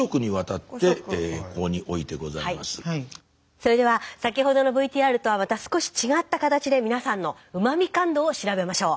それでは先ほどのＶＴＲとはまた少し違った形で皆さんのうま味感度を調べましょう。